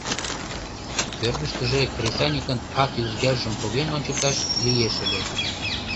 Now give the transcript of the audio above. Кӧргыштыжӧ кресаньыкын ате-ӱзгаржым поген ончыкташ лиеш ыле...